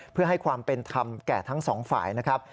เพื่อให้ความเป็นธรรมแก่ทั้งสองฝ่ายนะครับ